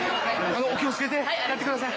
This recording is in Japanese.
お気をつけて帰ってください。